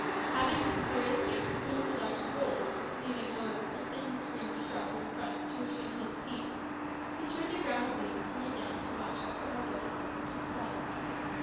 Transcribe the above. Having cleared a space sufficiently large to hold us leaving, however, a thin screen of shrubs in front through which we intended to peep we strewed the ground with leaves, and lay down to watch with our loaded rifles close beside us.